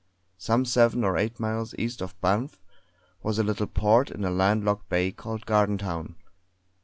Some seven or eight miles east of Banff was a little port in a land locked bay called Gardentown.